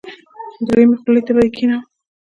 دریمې خولې ته به یې کېنوم.